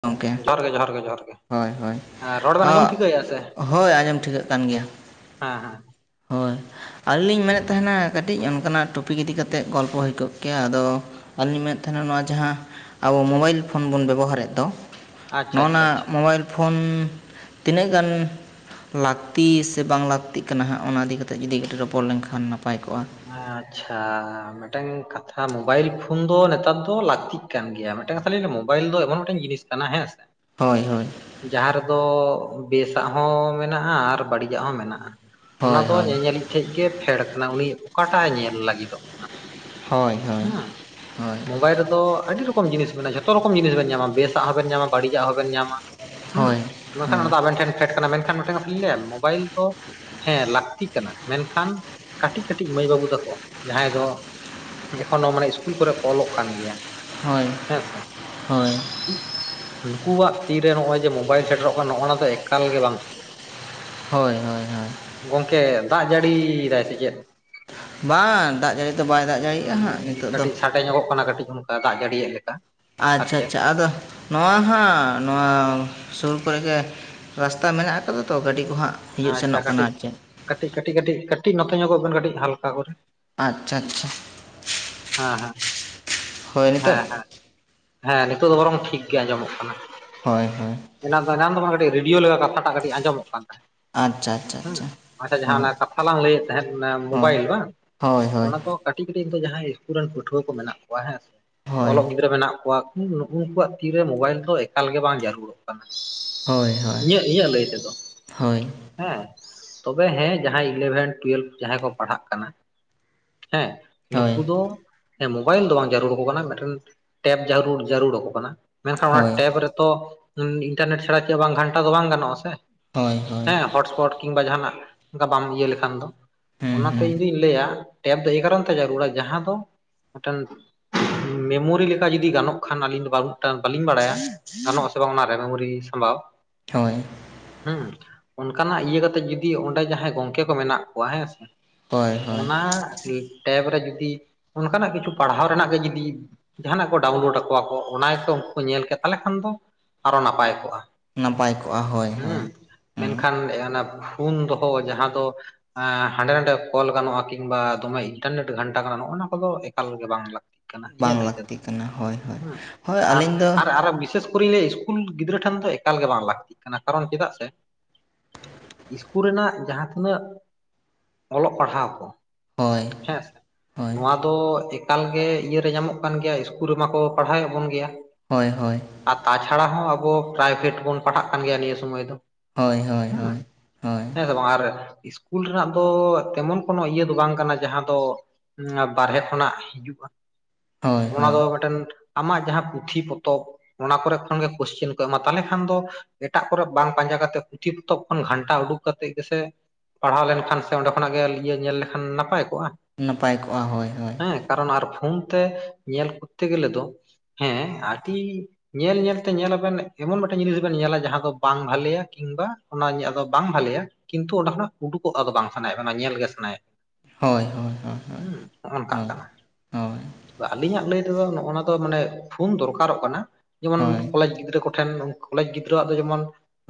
ᱜᱚᱢᱠᱮ ᱡᱚᱦᱟᱨ ᱜᱮ, ᱡᱚᱦᱟᱨ ᱜᱮ, ᱡᱚᱦᱟᱨ ᱜᱮ᱾ ᱦᱳᱭ ᱦᱳᱭ ᱦᱮᱸ ᱨᱚᱲ ᱵᱮᱱ ᱟᱸᱡᱚᱢ ᱟᱜ ᱴᱷᱤᱠᱟᱹᱭᱮᱫᱼᱟ ᱥᱮ ᱦᱳᱭ ᱟᱸᱡᱚᱢ ᱴᱷᱤᱠᱟᱹᱜ ᱠᱟᱱ ᱜᱮᱭᱟ᱾ ᱦᱮᱸ ᱦᱮᱸ᱾ ᱦᱳᱭ, ᱟᱹᱞᱤᱧ ᱞᱤᱧ ᱢᱮᱱᱮᱫ ᱛᱟᱦᱮᱱᱟ ᱠᱟᱹᱴᱤᱡ ᱚᱱᱠᱟᱱᱟᱜ ᱴᱚᱯᱤᱠ ᱤᱫᱤ ᱠᱟᱛᱮᱜ ᱜᱚᱞᱯᱚ ᱦᱩᱭ ᱠᱚᱜ ᱠᱮᱭᱟ, ᱟᱫᱚ ᱟᱹᱞᱤ ᱞᱤᱧ ᱢᱮᱱᱮᱫ ᱛᱟᱦᱮᱱᱟ ᱱᱚᱣᱟ ᱡᱟᱦᱟᱸ ᱟᱵᱚ ᱢᱳᱵᱟᱭᱤᱞ ᱯᱷᱳᱱ ᱵᱚᱱ ᱵᱮᱵᱚᱦᱟᱨᱮᱫ ᱫᱚ ᱟᱪᱪᱷᱟ ᱟᱪᱪᱷᱟ ᱱᱚᱜᱱᱟ ᱟᱪᱪᱷᱟ ᱢᱳᱵᱟᱭᱤᱞ ᱯᱷᱳᱱ ᱛᱤᱱᱟᱹᱜ ᱜᱟᱱ ᱞᱟᱹᱠᱛᱤ ᱥᱮ ᱵᱟᱝ ᱞᱟᱹᱠᱛᱤᱜ ᱠᱟᱱᱟ ᱦᱟᱸᱜ᱾ ᱚᱱᱟ ᱤᱫᱤ ᱠᱟᱛᱮ ᱡᱩᱫᱤ ᱠᱟᱹᱴᱤᱡ ᱨᱚᱯᱚᱲ ᱞᱮᱱᱠᱷᱟᱱ ᱱᱟᱯᱟᱭ ᱠᱚᱜᱼᱟ᱾ ᱟᱸᱪᱷᱟ᱾ ᱢᱤᱫᱴᱟᱝ ᱠᱟᱛᱷᱟ ᱢᱳᱵᱟᱭᱤᱞ ᱯᱷᱳᱱ ᱫᱚ ᱱᱮᱛᱟᱨ ᱫᱚ ᱞᱟᱹᱠᱛᱤᱜ ᱠᱟᱱ ᱜᱮᱭᱟ ᱢᱤᱫᱴᱟᱝ ᱠᱟᱛᱷᱟ ᱞᱤᱧ ᱞᱟᱹᱭᱟ ᱢᱳᱵᱟᱭᱤᱞ ᱫᱚ ᱮᱢᱚᱱ ᱢᱤᱫᱴᱮᱱ ᱡᱤᱱᱤᱥ ᱠᱟᱱᱟ ᱦᱮᱸ ᱥᱮ? ᱦᱳᱭ ᱦᱳᱭ᱾ ᱡᱟᱦᱟᱸ ᱨᱮᱫᱚ ᱵᱮᱥᱟᱜ ᱦᱚᱸ ᱢᱮᱱᱟᱜᱼᱟ ᱟᱨ ᱵᱟᱹᱲᱤᱡᱟᱜ ᱦᱚᱸ ᱢᱮᱱᱟᱜᱼᱟ᱾ ᱚᱱᱟ ᱦᱳᱭ ᱫᱚ ᱦᱳᱭ ᱧᱮᱧᱮᱞᱤᱡ ᱴᱷᱮᱡ ᱜᱮ ᱯᱷᱮᱰ ᱠᱟᱱᱟ ᱩᱱᱤ ᱚᱠᱟᱴᱟᱜ ᱧᱮᱞ ᱞᱟᱹᱜᱤ ᱫᱚᱜ ᱠᱟᱱᱟ᱾ ᱦᱳᱭ ᱦᱳᱭ ᱢᱟ ᱦᱳᱭ ᱢᱳᱵᱟᱭᱤᱞ ᱨᱮᱫᱚ ᱟᱹᱰᱤ ᱨᱚᱠᱚᱢ ᱡᱤᱱᱤᱥ ᱢᱮᱱᱟᱜᱼᱟ ᱡᱷᱚᱛᱚ ᱨᱚᱠᱚᱢ ᱡᱤᱥᱱ ᱧᱟᱢᱟ ᱵᱮᱥᱟᱜ ᱦᱚᱸᱵᱮᱱ ᱧᱟᱢᱟ ᱵᱟᱹᱲᱤᱡᱟᱜ ᱦᱚᱸᱵᱮᱱ ᱧᱟᱢᱟ᱾ ᱦᱩᱸ, ᱦᱳᱭ ᱢᱮᱱᱠᱷᱟᱱ ᱦᱳᱭ ᱚᱱᱟ ᱫᱚ ᱟᱵᱮᱱ ᱴᱷᱮᱱ ᱯᱷᱰ ᱠᱟᱱᱟ ᱢᱮᱱᱠᱷᱟᱱ ᱢᱤᱴᱟᱝ ᱠᱟᱛᱷᱟ ᱞᱤᱧ ᱞᱟᱹᱭᱟ ᱢᱳᱵᱟᱭᱤᱞ ᱫᱚ ᱦᱮᱸ ᱞᱟᱹᱠᱛᱤ ᱠᱟᱱᱟ ᱢᱮᱱᱠᱷᱟᱱ ᱠᱟᱹᱴᱤᱡ ᱠᱟ. ᱴᱤᱡ ᱴᱤᱡ ᱢᱟᱹᱭ ᱵᱟᱹᱵᱩ ᱛᱟᱠᱚ ᱡᱟᱦᱟᱸᱭ ᱫᱚ ᱮᱠᱷᱚᱱᱳ ᱢᱟᱱᱮ ᱤᱥᱠᱩᱞ ᱠᱚᱨᱮ ᱠᱚ ᱚᱞᱚᱜ ᱠᱟᱱ ᱜᱮᱭᱟ᱾ ᱦᱳᱭ ᱦᱮᱸ ᱥᱮ᱾ ᱦᱳᱭ ᱱᱩᱠᱩᱣᱟᱜ ᱛᱤᱨᱮ ᱱᱚᱜᱼᱚᱭ ᱡᱮ ᱢᱳᱵᱟᱭᱤᱞ ᱥᱮᱴᱮᱨᱚᱜ ᱠᱟᱱᱟ ᱱᱚᱜᱼᱚᱱᱟ ᱫᱚ ᱮᱠᱟᱞ ᱜᱮ ᱵᱟᱝ ᱴᱷᱤᱠᱚᱜ ᱦᱳᱭ, ᱦᱳᱭ, ᱦᱳᱭ᱾ ᱜᱚᱝᱠᱮ ᱫᱟᱜ ᱡᱟᱹᱲᱤᱭ ᱫᱟᱭ ᱥᱮ ᱪᱮᱫ? ᱵᱟᱝ ᱫᱟᱜ ᱡᱟᱹᱲᱤ ᱫᱚ ᱵᱟᱭ ᱫᱟᱜ ᱡᱟᱹᱲᱤᱭᱮᱜᱼᱟ ᱦᱟᱸᱜ ᱱᱤᱛᱳᱜ ᱫᱚ ᱠᱟᱹᱴᱤᱡ ᱥᱟᱰᱮ ᱧᱚᱜᱚᱜ ᱠᱟᱱᱟ ᱠᱟᱹᱴᱤᱡ ᱚᱱᱠᱟ ᱫᱟᱜ ᱡᱟᱹᱲᱤᱭᱮᱜ ᱞᱮᱠᱟ᱾ ᱟᱨ ᱟᱪᱪᱷᱟ ᱪᱮᱫ ᱟᱪᱪᱷᱟ᱾ ᱟᱫᱚ ᱱᱚᱶᱟ ᱦᱟᱸᱜ ᱱᱚᱶᱟ ᱥᱩᱨ ᱠᱚᱨᱮᱜ ᱜᱮ ᱨᱟᱥᱛᱟ ᱢᱮᱱᱟᱜ ᱟᱠᱟᱫᱟ ᱛᱚ ᱜᱟᱹᱰᱤ ᱠᱚᱦᱟᱸᱜ ᱟᱪᱪᱷᱟ ᱠᱟᱹᱴᱤᱡ ᱠᱟᱹᱴᱤᱡ ᱠᱟᱹᱴᱤᱡ ᱠᱟᱹᱴᱤᱡ ᱠᱟᱹᱴᱤᱡ ᱱᱚᱛᱚ ᱧᱚᱜᱚᱜ ᱵᱮᱱ ᱠᱟᱹᱴᱤᱡ ᱦᱟᱞᱠᱟ ᱠᱚᱨᱮ᱾ ᱟᱪᱪᱷᱟ ᱟᱪᱪᱷᱟ᱾ ᱦᱮᱸᱼᱦᱮᱸ, ᱦᱳᱭ ᱱᱤᱛᱳᱜ ᱦᱮᱸᱼᱦᱮᱸ᱾ ᱦᱮᱸ ᱱᱤᱛᱚᱜ ᱫᱚ ᱵᱚᱨᱚᱝ ᱴᱷᱤᱠ ᱜᱮ ᱟᱸᱡᱚᱢᱚᱜ ᱠᱟᱱᱟ᱾ ᱦᱳᱭ ᱦᱳᱭ ᱮᱱᱟ ᱫᱚ ᱮᱱᱟ ᱫᱚᱢᱟ ᱠᱟᱹᱴᱤᱡ ᱨᱮᱰᱤᱭᱳ ᱞᱮᱠᱟ ᱠᱟᱛᱷᱟ ᱴᱟᱜ ᱠᱟᱹᱴᱤᱡ ᱟᱸᱡᱚᱢᱚᱜ ᱠᱟᱱ ᱛᱟᱦᱮᱸᱫ᱾ ᱟᱪᱪᱷᱟ ᱟᱪᱪᱷᱟ ᱦᱮᱸ ᱟᱪᱪᱷᱟ ᱟᱪᱪᱷᱟ ᱡᱟᱦᱟᱸ ᱦᱳᱭ ᱚᱱᱟ ᱠᱟᱛᱷᱟ ᱞᱟᱝ ᱞᱟᱹᱭᱮᱫ ᱛᱟᱦᱮᱸᱫ ᱢᱳᱵᱟᱭᱤᱞ ᱵᱟᱝ ᱦᱳᱭ ᱦᱳᱭ ᱚᱱᱟ ᱫᱚ ᱠᱟ ᱴᱤᱡ ᱠᱟᱹᱴᱤᱡ ᱱᱤᱛᱚ ᱡᱟᱦᱟᱸᱭ ᱤᱥᱠᱩᱞ ᱨᱮᱱ ᱯᱟᱹᱴᱷᱩᱣᱟᱹ ᱠᱚ ᱢᱮᱱᱟᱜ ᱠᱚᱣᱟ ᱦᱮᱸ ᱥᱮ ᱦᱳᱭ ᱚᱞᱚᱜ ᱜᱤᱫᱽᱨᱟᱹ ᱢᱮᱱᱟᱜ ᱠᱚᱣᱟ ᱤᱧᱫᱚ ᱱᱩᱜᱼᱩᱠᱩᱣᱟᱜ ᱛᱤᱨᱮ ᱢᱳᱵᱟᱭᱤᱞ ᱫᱚ ᱮᱠᱟᱞ ᱜᱮ ᱵᱟᱝ ᱡᱟᱨᱩᱲᱚᱜ ᱠᱟᱱᱟ᱾ ᱦᱳᱭ ᱦᱳᱭ ᱤᱧᱟᱹᱜ ᱤᱧᱟᱹᱜ ᱞᱟᱹᱭ ᱛᱮᱫᱚ᱾ ᱦᱳᱭ ᱦᱳᱭ ᱦᱮᱸ ᱛᱚᱵᱮ ᱦᱮᱸ ᱡᱟᱦᱟᱸᱭ ᱤᱞᱮᱵᱷᱮᱱ ᱴᱩᱭᱮᱞᱵᱷ ᱡᱟᱦᱟᱸᱭ ᱠᱚ ᱯᱟᱲᱦᱟᱜ ᱠᱟᱱᱟ᱾ ᱦᱮᱸ᱾ ᱦᱳᱭ ᱱᱩᱠᱩ ᱫᱚ ᱢᱳᱵᱟᱭᱤᱞ ᱫᱚ ᱵᱟᱝ ᱡᱟᱹᱨᱩᱲ ᱟᱠᱚ ᱠᱟᱱᱟ ᱢᱤᱫ ᱴᱮᱱ ᱴᱮᱯ ᱡᱟᱹᱨᱩᱲ ᱡᱟᱹᱨᱩᱲ ᱟᱠᱚ ᱠᱟᱱᱟ᱾ ᱢᱮᱱᱠᱷᱟᱱ ᱚᱱᱟ ᱦᱳᱭ ᱴᱮᱯ ᱨᱮᱛᱚ ᱤᱱᱴᱟᱨᱱᱮᱴ ᱪᱷᱟᱲᱟ ᱪᱮᱫ ᱵᱟᱝ ᱜᱷᱟᱱᱴᱟ ᱫᱚ ᱵᱟᱝ ᱜᱟᱱᱚᱜ ᱟᱥᱮ ᱦᱳᱭ ᱦᱳᱭ ᱦᱚᱴᱥᱯᱚᱴ ᱠᱤᱢᱵᱟ ᱡᱟᱦᱟᱱᱟᱜ ᱚᱱᱠᱟ ᱵᱟᱢ ᱤᱭᱟᱹ ᱞᱮᱠᱷᱟᱱ ᱫᱚ ᱦᱩᱸ ᱚᱱᱟᱛᱮ ᱦᱩᱸ ᱤᱧᱫᱩᱧ ᱞᱟᱹᱭᱟ ᱴᱮᱯ ᱫᱚ ᱮᱭ ᱠᱟᱨᱚᱱ ᱛᱮ ᱡᱟᱹᱨᱩᱲᱟ ᱡᱟᱦᱟᱸ ᱫᱚ ᱢᱤᱫ ᱴᱮᱱ ᱢᱮᱢᱳᱨᱤ ᱞᱮᱠᱟ ᱡᱩᱫᱤ ᱜᱟᱱᱚᱜ ᱠᱷᱟᱱ ᱟᱹᱞᱤᱧ ᱫᱚ ᱢᱤᱫ ᱴᱟᱝ ᱵᱟᱹᱞᱤᱧ ᱵᱟᱲᱟᱭᱟ᱾ ᱜᱟᱱᱚᱜ-ᱟ ᱥᱮ ᱵᱟᱝ ᱚᱱᱟ ᱨᱮ ᱢᱮᱢᱳᱨᱤ ᱥᱟᱢᱵᱷᱟᱣ ᱦᱳᱭ ᱦᱮᱸ ᱚᱱᱠᱟᱱᱟᱜ ᱤᱭᱟᱹ ᱠᱟᱛᱮᱜ ᱡᱩᱫᱤ ᱚᱸᱰᱮ ᱡᱟᱦᱟᱸᱭ ᱜᱚᱝᱠᱮ ᱠᱚ ᱢᱮᱱᱟᱜ ᱠᱚᱣᱟ ᱦᱮᱸ ᱥᱮ ᱦᱳᱭ ᱦᱳᱭ ᱚᱱᱟᱴᱮᱯ ᱨᱮ ᱡᱩᱫᱤ ᱚᱱᱠᱟᱱᱟᱜ ᱠᱤᱪᱷᱩ ᱯᱟᱲᱦᱟᱣ ᱨᱮᱱᱟᱜ ᱜᱮ ᱡᱩᱫᱤ ᱡᱟᱦᱟᱱᱟᱜ ᱠᱚ ᱰᱟᱣᱩᱱᱞᱳᱰ ᱟᱠᱚᱣᱟ ᱠᱚ ᱚᱱᱟᱠᱚ ᱩᱱᱠᱩ ᱧᱮᱞ ᱠᱮ ᱛᱟᱦᱚᱞᱮ ᱠᱷᱟᱱ ᱫᱚ ᱟᱨᱚ ᱱᱟᱯᱟᱭ ᱠᱚᱜ-ᱟ ᱱᱟᱯᱟᱭ ᱠᱚᱜᱼᱟ ᱦᱳᱭ ᱦᱳᱭ ᱦᱩᱸ ᱦᱩᱸ ᱢᱮᱱᱠᱷᱟᱱ ᱚᱱᱟ ᱦᱩᱱ ᱫᱚᱦᱚ ᱡᱟᱦᱟᱸ ᱫᱚ ᱦᱟᱸᱰᱮ ᱱᱷᱟᱰᱮ ᱠᱚᱞ ᱜᱟᱱᱚᱜ-ᱟ ᱠᱤᱝᱵᱟ ᱫᱚᱢᱮ ᱤᱱᱴᱟᱨᱱᱮᱴ ᱜᱷᱟᱱᱴᱟ ᱜᱟᱱᱚᱜ ᱠᱚ ᱫᱚ ᱮᱠᱟᱞ ᱜᱮ ᱵᱟᱝ ᱞᱟᱹᱠᱛᱤ᱾ ᱵᱟᱝ ᱤᱧᱟᱹᱜ ᱞᱟᱹᱭ ᱛᱮᱫᱚ ᱞᱟᱹᱠᱛᱤ ᱠᱟᱱᱟ ᱦᱳᱭ ᱦᱳᱭ ᱦᱮᱸ ᱦᱳᱭ ᱟᱨ ᱟᱹᱞᱤᱧ ᱫᱚ ᱟᱨ ᱟᱨᱚ ᱵᱤᱥᱮᱥ ᱥᱠᱩᱞ ᱜᱤᱫᱽᱨᱟᱹ ᱴᱷᱮᱱ ᱫᱚ ᱮᱠᱟᱞ ᱜᱮ ᱵᱟᱝ ᱞᱟᱹᱠᱛᱤᱜ ᱠᱟᱱᱟ ᱠᱟᱨᱚᱱ ᱪᱮᱫᱟᱜ ᱥᱮ ᱤᱥᱠᱩᱞ ᱨᱮᱱᱟᱜ ᱡᱟᱦᱟᱸ ᱛᱤᱱᱟᱹᱜ ᱚᱞᱚᱜ ᱯᱟᱲᱦᱟᱣ ᱠᱚ ᱦᱳᱭ ᱦᱳᱭ ᱱᱚᱶᱟ ᱫᱚ ᱮᱠᱟᱞ ᱜᱮ ᱤᱭᱟᱹᱨᱮ ᱧᱟᱢᱚᱜ ᱠᱟᱱ ᱜᱮᱭᱟ ᱤᱥᱠᱩᱞ ᱨᱮᱢᱟᱠᱚ ᱯᱟᱲᱦᱟᱣᱮᱫ ᱵᱚᱱ ᱜᱮᱭᱟ ᱦᱳᱭ ᱦᱳᱭ ᱟᱨ ᱛᱟᱪᱷᱟᱲᱟ ᱦᱚᱸ ᱟᱵᱚ ᱯᱨᱟᱭᱵᱷᱮᱴ ᱵᱚᱱ ᱯᱟᱲᱦᱟᱜ ᱠᱟᱱ ᱜᱮᱭᱟ ᱱᱤᱭᱟᱹ ᱥᱚᱢᱚᱭ ᱫᱚ ᱦᱳᱭ ᱦᱳᱭ ᱦᱮᱸ ᱦᱳᱭ ᱦᱳᱭ ᱦᱮᱸᱥᱮ ᱥᱠᱩᱞ ᱨᱮᱱᱟᱜ ᱫᱚ ᱛᱮᱢᱚᱱ ᱠᱳᱱᱳ ᱤᱭᱟᱹ ᱫᱚ ᱵᱟᱝ ᱠᱟᱱᱟ ᱡᱟᱦᱟᱸ ᱫᱚ ᱵᱟᱨᱦᱮ ᱠᱷᱚᱱᱟᱜ ᱦᱤᱡᱩᱜ-ᱟ ᱦᱳᱭ ᱚᱱᱟ ᱦᱳᱭ ᱫᱚ ᱢᱤᱫ ᱴᱮᱱ ᱟᱢᱟᱜ ᱡᱟᱦᱟᱸ ᱯᱩᱛᱷᱤ ᱯᱚᱛᱚᱵ ᱚᱱᱟ ᱠᱚᱨᱮ ᱠᱷᱚᱱᱜᱮ ᱠᱚᱥᱪᱮᱱ ᱠᱚ ᱮᱢᱟ ᱛᱟᱦᱚᱞᱮ ᱠᱷᱟᱱ ᱫᱚ ᱮᱴᱟᱜ ᱠᱚᱨᱮ ᱵᱟᱝ ᱯᱟᱸᱡᱟ ᱠᱟᱛᱮᱫ ᱯᱩᱛᱷᱤ ᱯᱚᱛᱚᱵ ᱠᱷᱚᱱ ᱜᱷᱟᱱᱴᱟ ᱩᱰᱩᱠ ᱠᱟᱛᱮᱫ ᱜᱮᱥᱮ ᱯᱟᱲᱦᱟᱣ ᱞᱮᱱᱠᱷᱟᱱ ᱥᱮ ᱚᱸᱰᱮ ᱠᱷᱚᱱᱟᱜ ᱜᱮ ᱤᱭᱟᱹ ᱧᱮᱞ ᱞᱮᱠᱷᱟᱱ ᱱᱟᱯᱟᱭ ᱠᱚᱜ-ᱟ ᱱᱟᱯᱟᱭ ᱠᱚᱜ-ᱟ ᱦᱳᱭ ᱦᱳᱭ ᱦᱮᱸ ᱠᱟᱨᱚᱱ ᱟᱨ ᱯᱷᱳᱱ ᱛᱮ ᱧᱮᱞ ᱠᱚᱨᱛᱮ ᱜᱮᱞᱮ ᱫᱚ ᱦᱮᱸ ᱟᱹᱰᱤ ᱧᱮᱞ ᱧᱮᱞᱛᱮ ᱧᱮᱞ ᱟᱵᱮᱱ ᱮᱢᱚᱱ ᱢᱤᱫᱴᱮᱱ ᱡᱤᱱᱤᱥ ᱵᱮᱱ ᱧᱮᱞᱟ ᱡᱟᱦᱟᱸ ᱫᱚ ᱵᱟᱝ ᱵᱷᱟᱞᱮᱭᱟ ᱠᱤᱝᱵᱟ ᱚᱱᱟ ᱫᱚ ᱵᱟᱝ ᱵᱷᱟᱞᱮᱭᱟ ᱠᱤᱱᱛᱩ ᱚᱸᱰᱮ ᱠᱷᱚᱱᱟᱜ ᱩᱰᱩᱠᱚᱜ ᱟᱫᱚ ᱵᱟᱝ ᱥᱟᱱᱟᱭᱮᱫ ᱵᱚᱱᱟ ᱧᱮᱞ ᱜᱮ ᱥᱟᱱᱟᱭᱮᱫ ᱦᱳᱭ ᱦᱳᱭ ᱦᱳᱭ ᱦᱩᱸ ᱚᱱᱠᱟᱜ ᱦᱳᱭ ᱠᱟᱱᱟ ᱦᱳᱭ ᱦᱳᱭ ᱟᱞᱤᱧᱟᱜ ᱞᱟᱹᱭ ᱛᱮᱫᱚ ᱱᱚᱜ-ᱚ ᱱᱟ ᱫᱚ ᱢᱟᱱᱮ ᱯᱷᱚᱱ ᱫᱚᱨᱠᱟᱨᱚᱜ ᱠᱟᱱᱟ᱾ ᱡᱮᱢᱚᱱ ᱦᱳᱭ ᱠᱚᱞᱮᱡᱽ ᱜᱤᱫᱽᱨᱟᱹ ᱠᱚ, ᱴᱷᱮᱱ ᱠᱚᱞᱮᱡᱽ ᱜᱤᱫᱽᱨᱟᱹᱣᱟᱜ ᱫᱚ ᱡᱮᱢᱚᱱ